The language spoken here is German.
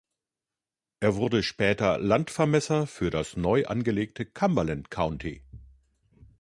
Er wurde später Landvermesser für das neu angelegte Cumberland County.